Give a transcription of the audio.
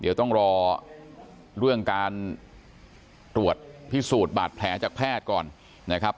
เดี๋ยวต้องรอเรื่องการตรวจพิสูจน์บาดแผลจากแพทย์ก่อนนะครับ